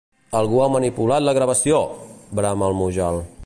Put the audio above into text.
Algú ha manipulat la gravació! —brama el Mujal.